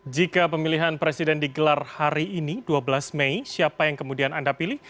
jika pemilihan presiden digelar hari ini dua belas mei siapa yang kemudian anda pilih